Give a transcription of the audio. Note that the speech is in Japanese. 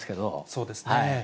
そうですね。